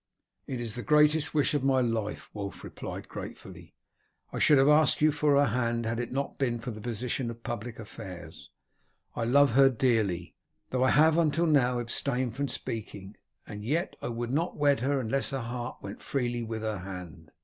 "It is the greatest wish of my life," Wulf replied gratefully. "I should have asked you for her hand before had it not been for the position of public affairs. I love her dearly, though I have until now abstained from speaking; and yet I would not wed her unless her heart went freely with her hand."